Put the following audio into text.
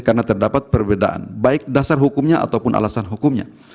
karena terdapat perbedaan baik dasar hukumnya ataupun alasan hukumnya